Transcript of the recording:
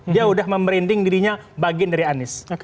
dia sudah memberinding dirinya bagian dari anies